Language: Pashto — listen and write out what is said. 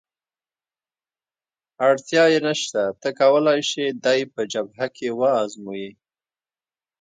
اړتیا یې نشته، ته کولای شې دی په جبهه کې وآزموېې.